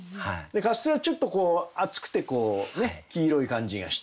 カステラちょっと厚くて黄色い感じがして。